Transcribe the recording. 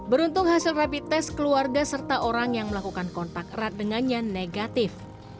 beruntung hasil rapid test keluarga serta orang yang melakukan kontak erat dengannya negatif